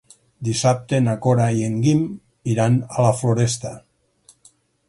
Dissabte na Cora i en Guim iran a la Floresta.